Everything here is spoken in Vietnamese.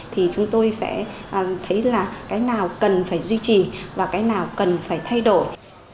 thì chúng tôi sẽ thấy là cái nào cần phải duy trì và cái nào cần phải thay đổi